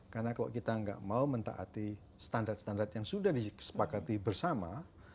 karena kalau kita nggak mau mentaati standar standar yang sudah disepakati bersama